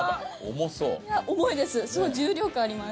重いです。